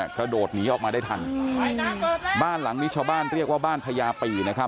กระโดดหนีออกมาได้ทันบ้านหลังนี้ชาวบ้านเรียกว่าบ้านพญาปีนะครับ